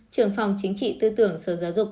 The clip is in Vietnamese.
trưởng phòng chính trị tư tưởng sở giáo dục